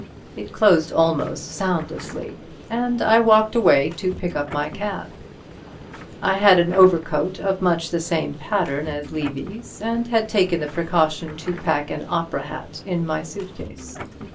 It closed almost soundlessly, and I walked away to pick up my cab. I had an overcoat of much the same pattern as Levy's, and had taken the precaution to pack an opera hat in my suitcase.